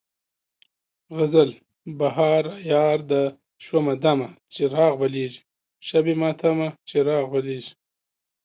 غزل: بهار عیار ده شومه دمه، چراغ بلیږي شبِ ماتمه، چراغ بلیږي